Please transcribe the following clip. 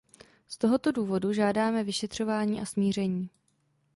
Z tohoto důvodu žádáme vyšetřování a smíření.